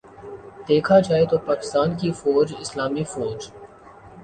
دیکھا جائے تو پاکستان کی فوج اسلامی فوج